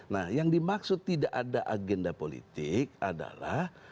nah yang dimaksud tidak ada agenda politik adalah